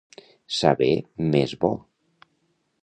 Saber més bo.